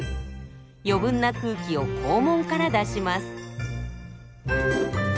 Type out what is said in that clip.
余分な空気を肛門から出します。